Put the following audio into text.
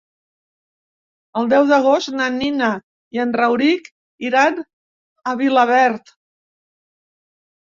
El deu d'agost na Nina i en Rauric iran a Vilaverd.